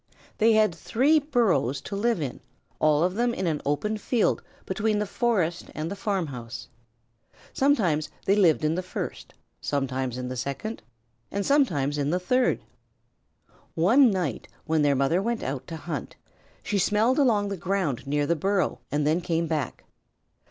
They had three burrows to live in, all of them in an open field between the forest and the farmhouse. Sometimes they lived in the first, sometimes in the second, and sometimes in the third. One night when their mother went out to hunt, she smelled along the ground near the burrow and then came back.